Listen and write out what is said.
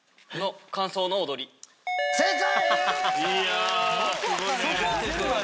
正解！